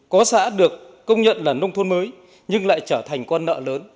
có xã được công nhận là nông thôn mới nhưng lại trở thành con nợ lớn